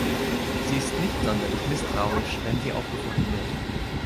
Sie ist nicht sonderlich misstrauisch, wenn sie aufgefunden wird.